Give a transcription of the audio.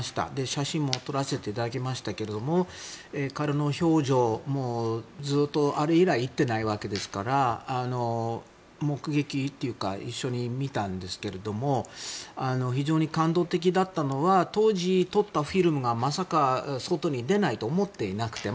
写真も撮らせていただきましたが彼の表情、ずっとあれ以来行ってないわけですから目撃というか一緒に見たんですが非常に感動的だったのは当時撮ったフィルムがまさか外に出ないと思っていなくて。